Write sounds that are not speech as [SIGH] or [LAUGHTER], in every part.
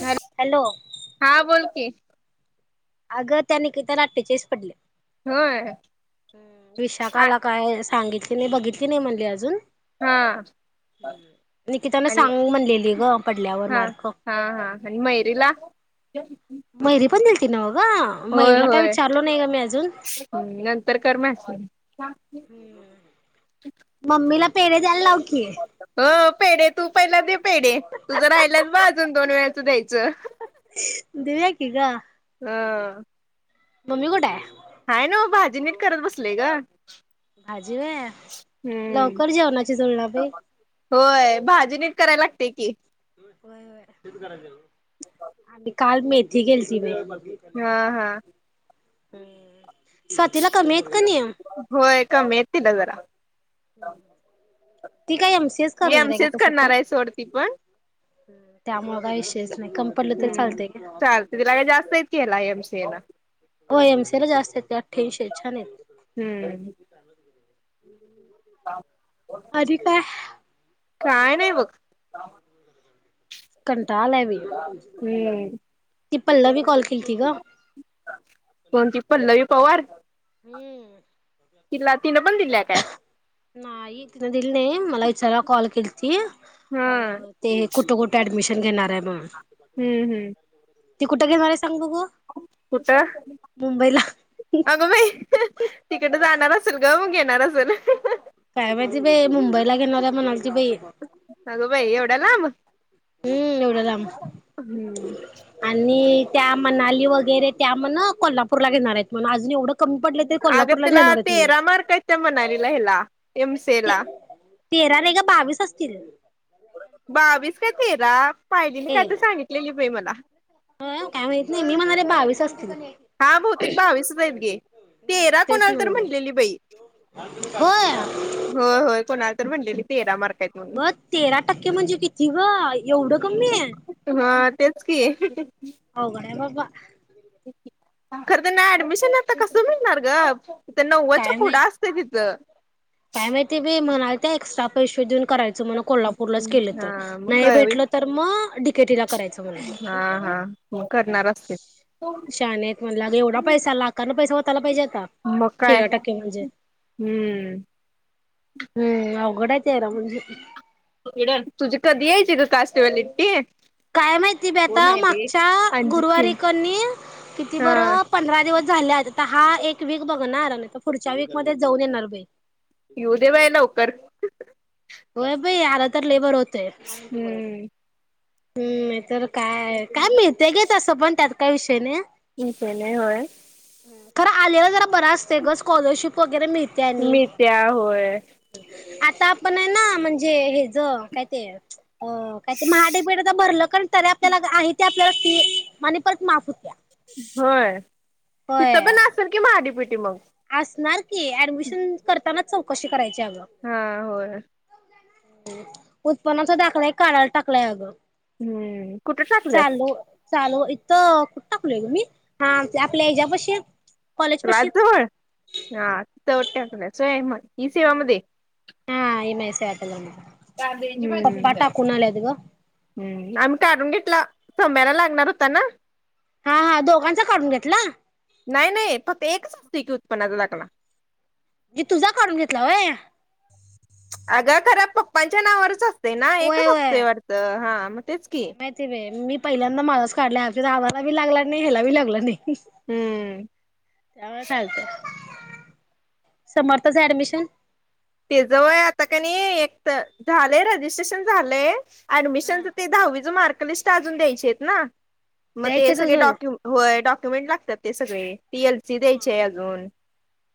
ह हॅलो हा बोलकी. अगं त्या निकेता अट्टेचाळीस पडले. होय ह् विशाखाला काय? सांगितली नाही बघितली नाही म्हणली अजून. हा निकितानं आणि सांग म्हणलेली आहे ग पडल्यावर हा मार्क. हा हा आणि मैरीला [UNINTELLIGIBLE] मैरी दिलती नव्ह ग होय मयरीला काय होय विचारलो नाही ग मी अजून नंतर कर म. मम्मीला [UNINTELLIGIBLE] पेढे द्याय लाव की. अ पेढ तू पहिला दे पेढ तुझ राहिलात बा अजून दोन वेळाचं द्यायचं दिऊया की ग. हा मम्मी कुठ आहे. हाय नव्ह भाजी नीट करत बसलेय ग. भाजी होय हम्म लवकर जेवणाची तयारी. होय भाजी नीट करायला लागते की. [UNINTELLIGIBLE] काल मेथी केलती मी. हा हा हम्म स्वातीला कमी आहेत कनी! होय [UNINTELLIGIBLE] हम् एमसी एस करणार आहे सोडती पण त्यामु का विशेष हम्म चालत दि लाग जास्त ऐतकीेयला हेम येना हो एमसी ला जास्त य अठ्ठ्यांशी छान येत. हम्म हम्, अधी काय काय नाही बघ कन चाललय हम्म ती पल्ला व कॉल केती ग कोणती पल्लवी पवार हम्म. तला तीन बंदल् याकाय नाही तिन दिली नाही. मला विचाराला कॉल केली ती हा ते कुठ कुठ ॲडमिशन घेणारे बघा. ते कुठे गेलायस. कुठ मुंबईला अगं बाई तिकडे जाणार असेल ग मग ये. नाराज ना. काय माहितीे ब मुंबईला घेणार्या म्हणा. नगो बाई एव. डला. हम्म एवढं लांब हम्म आणि त्या म्हणाली. वगैरे. त्या आ म ना कोल्हाप. कोल्हापूरला घेणार आहेत अजून एवढं. कमी पडले तरी कोल्हापूरलाच आगतला घेणार आहेत म्हण. तेरा मारकयत मनला एला एमसेल. तेरा रे का बावीस असतील. बावीस का. तेरा पाहिलेली काय तर सांगितलेली बाई मला काय माहित नाही मी म्हणारे बावीस असते. हा बहुतेक बावीसच आहेत गे तेरा तेच कोणाला तर म्हणलं म्हणलेली बाई होय हो होय कोणाल. तर म्हंलेली तेरा मारक. अग तेरा टक्के म्हणजे किती ग एवढं कमी. हा तेच की. अवगड आहे बाबा. खरं तर ना ऍडमिशन आता कसं मिळणार ग. ते नव्वदच्या काय माहित फुढं असतं तिथं काय माहिती बी मणा. एक्स्ट्रा पैसेे देऊन. करायच म्ह कोल्हापूरलाच केलं तर हा मग नाही काय भेटलं तर मग डीकेटीला करायचं म्हणे. हा हा मग करणार असते शाानेत म्हणलं एवढा पैसा लाखांना पैसा होताला पाहिजे आता मग काय तेरा टक्के म्हणजे हम्म हम्म. घोडायच आहेरा म्हणजे. ड तुझ कधीयच का कास्तवाल इटे. काय माहिती बी आता मागच्या अंजित की गुरुवारीकनी किती हा बरं पंधरा दिवस. झाल्यात. आता हा एक वीक बघणार. तर पुढच्या वीक मध्ये जाऊन येणार भाई. येऊ दे बाई लवकर. हाय बाई अल तर लई बरं [INAUDIBLE] हम्म हम्म नाही तर काय. काय मिळते ग तस पण त्यात काय विषय नई [INAUDIBLE] नाही होय. खर आलेला जरा बरा असतय ग स्कॉलरशिप वगैरे मिळते. आणि मिळत्या होय आता पण आहे ना, म्हणजे हे ज काय ते अ काय ते, महा डी. बी. टी ला भरलं पण तरी आपल्याला आहे ते आपल्याला फी परत माफ होत्या. होय तिथं होय पण असेल की महाडीपिटी मग असणार ऍडमिशन करतानाच चौकशी करायची अगं हा होय उत्पन्नाचा दाखला एक काडायला टाकलाय अगं हम्म कुठ टाकल्यास? चालू चालू इथं खुठ टाकलय ग मी, आपल्या हच्यापशी राजजवळ हा त टाकल्यास व्हय, सो इ सेवा मध्ये हा, इ. माइ. सेवा केंद्र मधे [UNINTELLIGIBLE] ग सम्यारला लागणार होता ना? हां हां दोघांचा काढून घेतला. नाही नाही फक्त एकच असते की उत्पन्नाचा दाखला. [INAUDIBLE] हे तुझा काढून घेतला व्हय? अग खरं पप्पांच्या नावावरचं ते ना व्हय एकच व्हय असतयं वाटतं, हां [INAUDIBLE] पहिल्यांदा माझच काढलाय आमचा दादा ला बी लागला नाही हेला बी लागला नाई. हम्म त्यामुळे चालतं, समर्थचं ऍडमिशन तेजा व्हय आता का नी एक झालंय रजिस्ट्रेशन झालंय हा ऍडमिशनच ते दहावीचं मार्क लिस्ट अजून द्यायची त ना मग ते द्यायचेत सगळे अजून डॉक्यु डॉक्युमेंट लागतात. ते सगळे ती एल सी द्यायची आहे अजून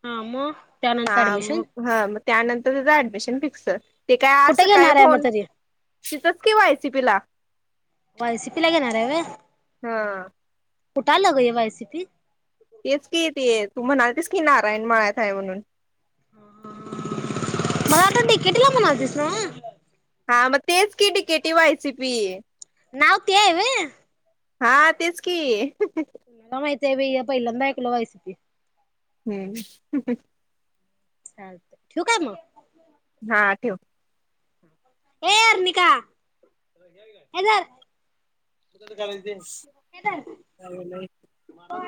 हा मग त्यानंतर हां ऍडमिशन म हां म त्यानंतर त्याचं ऍडमिशन फिक्स ते काय आस कुठे काय घेणार आहे मग फोन तरी [INAUDIBLE] कि वायसी पिला वायसी पीला घेणार आहे व्हय हां कुठाला ग एव्हा एसिपी तेच कि ते तू म्हणालीस की नारायण मळ्यात आहे. म्हणून मला आता तकेटीला म्हणालिस ना हां मग तेच कि टीकेेटी वायसी पी नाव त्येय ना हां तेच की आं माई ते व पहियंदा ऐकलो वाय एस पी हं [UNINTELLIGIBLE] चालत ठेऊ कायं मग हां ठेव ए अर्णिका हे धर [INAUDIBLE]